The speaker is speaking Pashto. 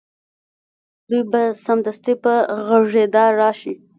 دوی به سمدستي په غږېدا راشي